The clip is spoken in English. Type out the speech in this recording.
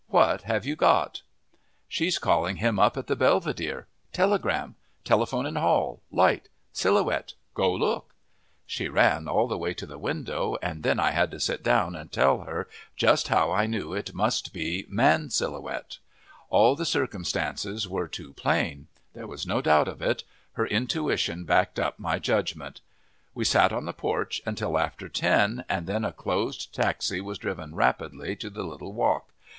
"What have you got?" "She's calling him up at the Belvedere! Telegram telephone in hall light Silhouette go look!" She ran all the way to the window, and then I had to sit down and tell her just how I knew it must be the Man Silhouette. All the circumstances were too plain. There was no doubt of it. Her intuition backed up my judgment. We sat on the porch until after ten, and then a closed taxi was driven rapidly to the little walk.